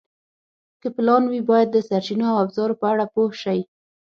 که پلان وي، باید د سرچینو او ابزارو په اړه پوه شئ.